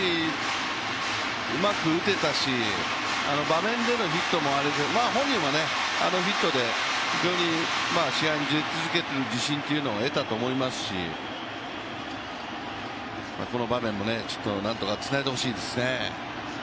うまく打てたし、場面でのヒットもあれで本人はあのヒットで試合に出続ける自信というのは得たと思いますし、この場面も何とかつないでほしいですね。